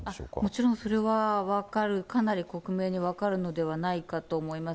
もちろんそれは分かる、かなり克明に分かるのではないかと思います。